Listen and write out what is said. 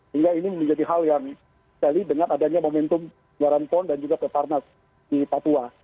hingga ini menjadi hal yang terlihat dengan adanya momentum waran ponda dan juga keparna di papua